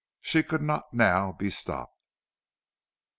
She could not now be stopped.